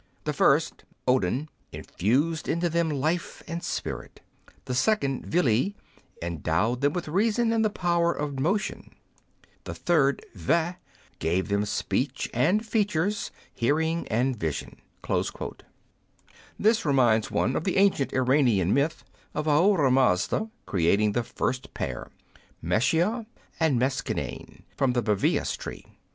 The first, Odin, infused into them life and spirit ; the second, Vili, endowed them with reason and the power of motion ; the third, Ve, gave them speech and features, hearing and vision," This reminds one of the ancient Iranian myth of Ahoura Mazda creating the first pair, Meschia and Meschiane, from the Beivas tree.